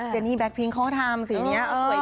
เจนี่แบ็คพลิ้งเค้าทำสีเนี้ย